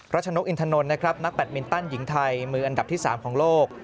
ชนกอินทนนท์นะครับนักแบตมินตันหญิงไทยมืออันดับที่๓ของโลก